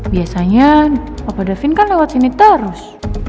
biasanya bapak davin kan lewat sini terus